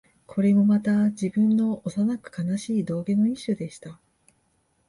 これもまた、自分の幼く悲しい道化の一種でした